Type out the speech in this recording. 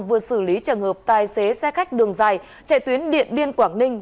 vừa xử lý trường hợp tài xế xe khách đường dài chạy tuyến điện biên quảng ninh